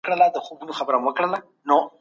ستاسو په وجود کي به د روغتیا احساس وي.